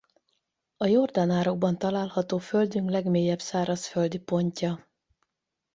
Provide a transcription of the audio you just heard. A Jordán-árokban található Földünk legmélyebb szárazföldi pontja.